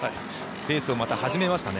レースをまた始めましたね。